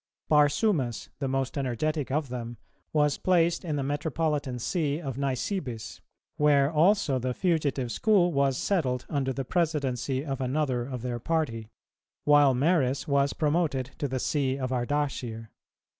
Barsumas, the most energetic of them, was placed in the metropolitan See of Nisibis, where also the fugitive school was settled under the presidency of another of their party; while Maris was promoted to the See of Ardaschir.